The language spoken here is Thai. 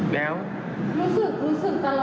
แล้วโลกที่เราเป็นอยู่มันดีขึ้นไหม